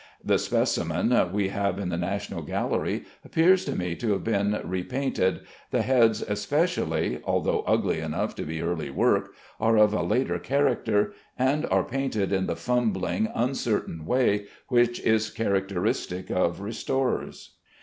The specimen we have in the National Gallery appears to me to have been much re painted; the heads especially (although ugly enough to be early work) are of a later character, and are painted in the fumbling, uncertain way which is characteristic of restorers.